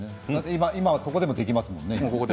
今そこでもできますよね。